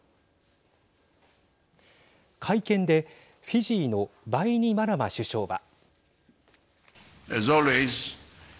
会見で、フィジーのバイニマラマ首相は。